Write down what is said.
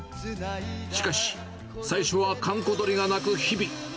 しかし、最初は閑古鳥が鳴く日々。